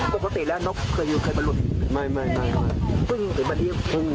ปกติแล้วนกเคยอยู่เคยมาหลุดไม่ไม่ไม่หรือวันนี้